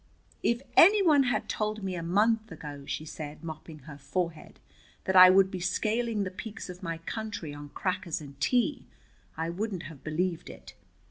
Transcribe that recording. "If any one had told me a month ago," she said, mopping her forehead, "that I would be scaling the peaks of my country on crackers and tea, I wouldn't have believed it.